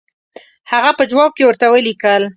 هغه په جواب کې ورته ولیکل.